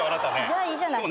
じゃあいいじゃない。